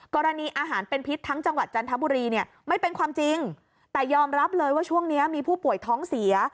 กรณีอาหารเป็นพิษทั้งจังหวัดจันทบุรีเนี่ยไม่เป็นความจริงแต่ยอมรับเลยว่าช่วงนี้มีผู้ป่วยท้องเสีย